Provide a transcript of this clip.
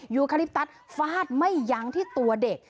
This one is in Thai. ยูคาลิปตัสฟาดไม่ยั้งที่ตัวเด็ก